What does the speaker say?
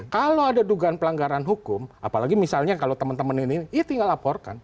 kalau ada dugaan pelanggaran hukum apalagi misalnya kalau teman teman ini ya tinggal laporkan